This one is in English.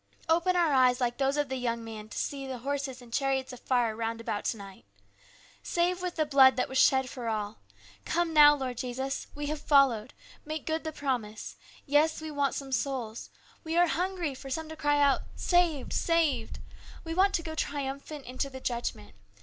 Open our eyes like those of the young man to see the horses and chariots of fire round about to night. Save with the blood that was shed for all. Come now, Lord Jesus. We have followed. Make good the promise. Yes, we want some souls. We are hungry for some to cry out, ' Saved ! saved !' We want to go triumphant into the judgment.